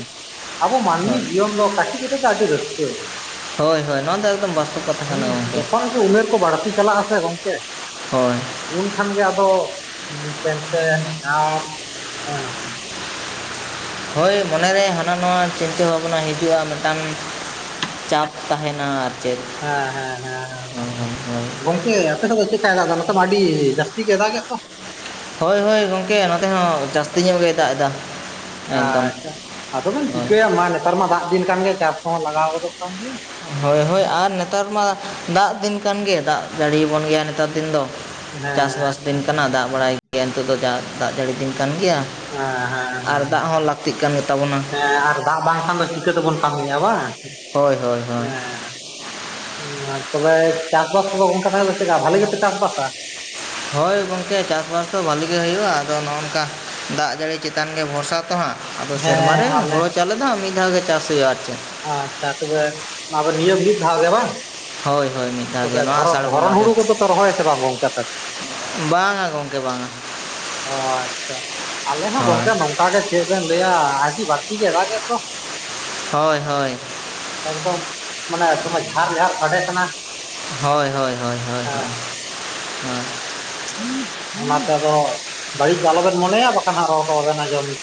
ᱟᱵᱚ ᱢᱟᱹᱱᱢᱤ ᱦᱳᱭ ᱡᱤᱭᱚᱱ ᱫᱚ ᱠᱟᱹᱴᱤᱡ ᱠᱟᱹᱴᱤᱡ ᱜᱮ ᱟᱹᱰᱤ ᱨᱟᱹᱥᱠᱟᱹ᱾ ᱦᱳᱭ ᱦᱳᱭ ᱱᱚᱣᱟ ᱫᱚ ᱮᱠᱫᱚᱢ ᱵᱟᱥ ᱦᱮᱸ ᱡᱚᱠᱷᱚᱱ ᱜᱮ ᱩᱢᱮᱨ ᱠᱚ ᱵᱟᱹᱲᱛᱤ ᱪᱟᱞᱟᱜ ᱟᱥᱮ ᱜᱚᱢᱠᱮ ᱦᱳᱭ ᱩᱱᱠᱷᱟᱱ ᱜᱮ ᱟᱫᱚ ᱴᱮᱱᱥᱮᱱ ᱟᱨ ᱦᱳᱭ ᱢᱚᱱᱮᱨᱮ ᱦᱟᱱᱟ ᱱᱟᱣᱟ ᱪᱤᱱᱛᱟᱹ ᱵᱷᱟᱵᱱᱟ ᱦᱤᱡᱩᱜᱼᱟ, ᱢᱤᱫᱴᱟᱝ ᱪᱟᱯ ᱛᱟᱦᱮᱸᱱᱟ ᱦᱮᱸ ᱦᱮᱸ ᱦᱮᱸ ᱦᱮᱸ ᱜᱚᱢ ᱤᱭᱟᱹ ᱟᱯᱮ ᱫᱚ ᱪᱮᱠᱟᱫᱟ ᱚᱱᱛᱮ ᱢᱟ ᱟᱰᱤ ᱡᱟᱥᱛᱤ ᱜᱮ ᱟᱜ-ᱫᱟ ᱮᱜ ᱫᱚ᱾ ᱦᱳᱭᱼᱦᱳᱭ ᱜᱚᱢᱠᱮ ᱱᱚᱛᱮ ᱦᱚᱸ ᱡᱟᱹᱥᱛᱤ ᱧᱚᱜ ᱜᱮᱭ ᱫᱟᱜ ᱮᱫᱟ᱾ ᱮᱠᱫᱚᱢ ᱟᱪᱪᱷᱟ ᱟᱫᱚ ᱵᱮᱱ ᱦᱳᱭ ᱪᱤᱠᱟᱹᱭᱟ ᱢᱟ ᱱᱮᱛᱟᱨ ᱢᱟ ᱫᱟᱜ ᱫᱤᱱ ᱠᱟᱱ ᱜᱮ ᱪᱟᱥ ᱠᱚᱦᱚᱸ ᱞᱟᱜᱟᱣ ᱜᱚᱫᱚᱜ ᱠᱟᱱ ᱜᱮᱭᱟ᱾ ᱦᱳᱭ ᱦᱳᱭ ᱟᱨ ᱱᱮᱛᱟᱨ ᱢᱟ ᱫᱟᱜ ᱫᱤᱱ ᱠᱟᱱ ᱜᱮ ᱫᱟᱜ ᱡᱟᱹᱲᱤᱭᱟ ᱟᱵᱚᱱ ᱜᱮᱭᱟ ᱱᱮᱛᱟᱨ ᱫᱤᱱ ᱫᱚ᱾ ᱦᱮᱸ ᱪᱟᱥᱵᱟᱥ ᱫᱤᱱ ᱠᱟᱱᱟ ᱫᱟᱜ ᱵᱟᱲᱟᱭ ᱜᱮᱭᱟ ᱱᱤᱛᱚᱜ ᱫᱚᱟ ᱫᱟᱜ ᱡᱟᱹᱲᱤ ᱫᱤᱱ ᱠᱟᱱ ᱜᱮᱭᱟ᱾ ᱦᱮᱸ ᱟᱨ ᱦᱮᱸ ᱫᱟᱜ ᱦᱚᱸ ᱞᱟᱹᱠᱛᱤᱜ ᱠᱟᱱ ᱜᱮᱛᱟᱵᱚᱱᱟ᱾ ᱦᱮᱸ ᱟᱨ ᱵᱟᱝᱠᱷᱟᱱ ᱫᱚ ᱪᱤᱠᱟᱹ ᱛᱮᱵᱚᱱ ᱠᱟᱹᱢᱮᱫᱤᱭᱟ ᱵᱟᱝ? ᱦᱳᱭ ᱦᱳᱭ ᱦᱳᱭ ᱦᱮᱸ ᱛᱚᱵᱮ ᱪᱟᱥᱵᱟᱥ ᱠᱚᱫᱚ ᱚᱱᱠᱟ [unintelligible] ᱫᱚ ᱪᱮᱫᱠᱟ ᱵᱷᱟᱞᱤ ᱜᱮᱯᱮ ᱪᱟᱥ ᱵᱟᱥᱟ᱾ ᱦᱳᱭ ᱜᱚᱝᱠᱮ ᱪᱟᱥ ᱵᱟᱥ ᱫᱚ ᱵᱷᱟᱹᱞᱤ ᱜᱮ ᱦᱩᱭᱩᱜᱼᱟ, ᱟᱫᱚ ᱱᱚᱜᱼᱝᱠᱟ ᱫᱟᱜ ᱡᱟᱹᱲᱤ ᱪᱮᱛᱟᱱ ᱜᱮ ᱵᱷᱚᱨᱥᱟ ᱦᱟᱸᱜ ᱟᱫᱚ ᱥᱮᱨᱢᱟᱨ ᱦᱮᱸ ᱨᱮ ᱟᱞᱮ ᱦᱳᱲᱳ ᱪᱟᱣᱞᱮ ᱫᱚ ᱢᱤᱫ ᱫᱷᱟᱣ ᱜᱮ ᱪᱟᱥ ᱦᱩᱭᱩᱜᱼᱟ ᱟᱨ ᱪᱮᱫ ᱟᱸ ᱪᱦᱟ ᱛᱚᱵᱮ ᱟᱵ ᱱᱤᱭᱚᱢ ᱢᱤᱫᱫᱷᱟᱣ ᱜᱮ ᱵᱟᱝ? ᱦᱳᱭ ᱦᱳᱭ ᱢᱤᱫ ᱫᱷᱟᱣ ᱜᱮ ᱛᱚᱵᱮ ᱱᱚᱣᱟ ᱫᱷᱚᱨᱚ ᱟᱥᱟᱲ ᱵᱚᱸᱜᱟ ᱫᱷᱚᱨᱚᱱ ᱜᱮ ᱦᱩᱲᱩ ᱠᱚᱫᱚ ᱯᱮ ᱨᱚᱦᱚᱭᱟᱥᱮ ᱵᱟᱝ ᱜᱚᱝᱠᱮ ᱟᱯᱮ ᱫᱚ? ᱵᱟᱝᱟ ᱜᱚᱢᱠᱮ ᱵᱟᱝᱟ᱾ ᱚ ᱟᱪᱪᱷᱟ ᱟᱞᱮ ᱦᱚᱸ ᱦᱳᱭ ᱜᱚᱝᱠᱮ ᱱᱚᱝ ᱚᱰᱮ ᱪᱮᱫ ᱵᱮᱱ ᱞᱭᱟ ᱟᱹᱰᱤ ᱟᱹᱰᱤ ᱵᱟᱹᱲᱛᱤ ᱜᱮ ᱫᱟᱜ ᱮᱫ ᱫᱚ᱾ ᱦᱳᱭ ᱦᱳᱭ᱾ ᱮᱠᱫᱚᱢ ᱢᱟᱱᱮ ᱡᱟᱨ ᱡᱟᱨ ᱥᱟᱰᱮ ᱠᱟᱱᱟ ᱦᱳᱭ ᱦᱳᱭ ᱦᱳᱭ ᱦᱳᱭ ᱦᱳᱭ ᱦᱮᱸ ᱦᱳᱭ᱾ ᱚᱱᱟᱛᱮ ᱫᱚ ᱵᱟᱹᱲᱤᱡ ᱫᱚ ᱟᱞᱚᱵᱮᱱ ᱢᱚᱱᱮᱭᱟ ᱵᱟᱠᱷᱟᱱ ᱦᱟᱸᱜ ᱨᱚᱲ ᱠᱚ ᱵᱟᱵᱮᱱ ᱟᱸᱡᱚᱢ